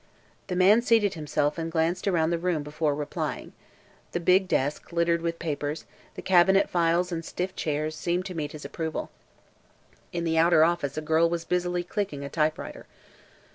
The man seated himself and glanced around the room before replying. The big desk, littered with papers, the cabinet files and stiff chairs seemed to meet his approval. In the outer office a girl was busily clicking a typewriter.